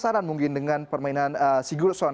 saya penasaran mungkin dengan permainan sigurdsson